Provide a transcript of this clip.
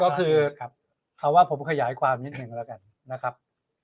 ก็คือเอาว่าผมขยายความนิดหนึ่งแล้วกันนะครับ